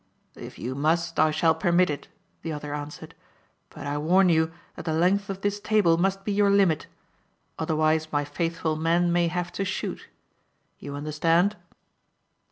"If you must I shall permit it," the other answered. "But I warn you that the length of this table must be your limit. Otherwise my faithful men may have to shoot. You understand?"